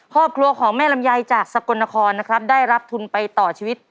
ครอบครัวของแม่ลำไยจากสกลนครนะครับได้รับทุนไปต่อชีวิต